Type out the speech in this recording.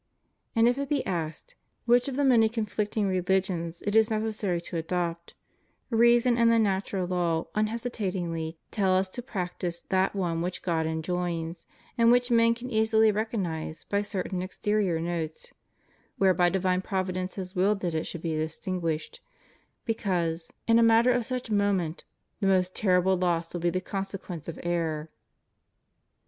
And if it be asked which of the many conflicting religions it is necessary to adopt, reason and the natural law unhesitatingly tell us to practise that one which God enjoins, and which men can easily recognize by certain exterior notes, whereby divine Providence has willed that it should be distinguished, because, in a matter of such * Summa, 2a 2ae, q. Ixxxi. a. 6. 150 HUMAN LIBERTY. moment, the most terrible loss would be the consequence of error.